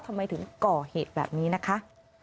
ทำไมถึงก่อเหตุแบบนี้นะคะ